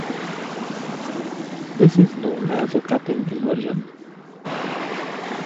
This is known as a capping inversion.